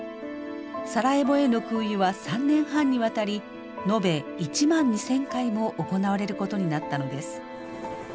サラエボへの空輸は３年半にわたり延べ１万２，０００回も行われることになったのです。